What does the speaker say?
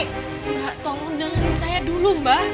mba tolong dengerin saya dulu mba